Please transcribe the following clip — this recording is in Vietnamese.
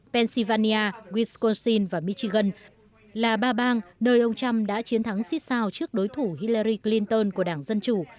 pennsylvania wiscosin và michigan là ba bang nơi ông trump đã chiến thắng xích sao trước đối thủ hilery clinton của đảng dân chủ